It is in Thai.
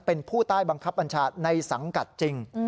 เป็นผู้ใต้บังคับบัญชาในสังกัดจริง